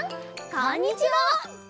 こんにちは！